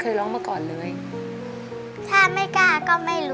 คุณยายแดงคะทำไมต้องซื้อลำโพงและเครื่องเสียง